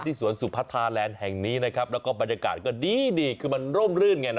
สวนสุพัทธาแลนด์แห่งนี้นะครับแล้วก็บรรยากาศก็ดีคือมันร่มรื่นไงนะ